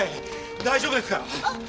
大丈夫ですか？